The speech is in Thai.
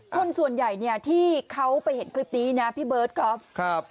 คนส่วนใหญ่ที่เขาไปเห็นคตินะพี่เบิร์ตครับ